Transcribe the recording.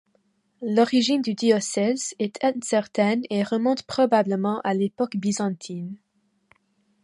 L'origine du diocèse est incertaine et remonte probablement à l'époque byzantine.